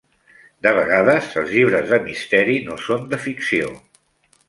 De vegades, els llibres de misteri no són de ficció.